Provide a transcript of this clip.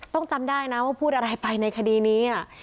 จำได้นะว่าพูดอะไรไปในคดีนี้